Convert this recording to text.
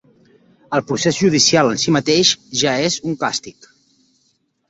El procés judicial en si mateix ja és un càstig.